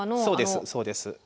そうですそうです。